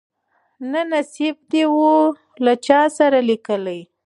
نه نصیب دي وو له چا سره لیکلی